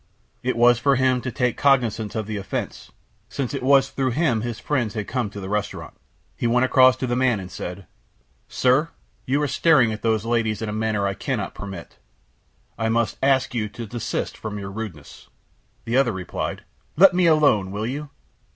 It was for him to take cognizance of the offence, since it was through him that his friends had come to the restaurant. He went across to the man and said: "Sir, you are staring at those ladies in a manner I cannot permit. I must ask you to desist from your rudeness." The other replied: "Let me alone, will you!"